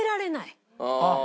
あっ！